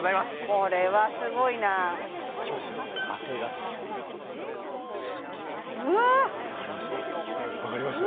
これはすごいないきますよあてがってスッと引くとうわ分かります？